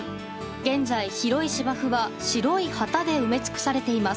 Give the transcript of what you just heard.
現在、広い芝生は白い旗で埋め尽くされています。